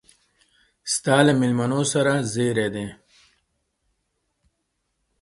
ستا له مېلمنو سره زېري دي.